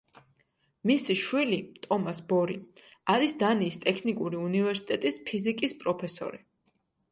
მისი შვილი, ტომას ბორი არის დანიის ტექნიკური უნივერსიტეტის ფიზიკის პროფესორი.